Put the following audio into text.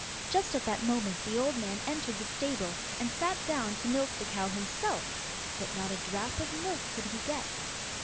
Just at that moment the old man entered the stable, and sat down to milk the cow himself, but not a drop of milk could he get.